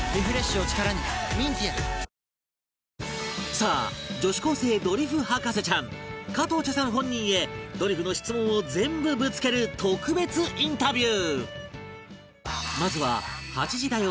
さあ女子高生ドリフ博士ちゃん加藤茶さん本人へドリフの質問を全部ぶつける特別インタビュー